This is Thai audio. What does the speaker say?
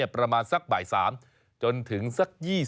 ประมาณสักบ่าย๓จนถึงสัก๒๐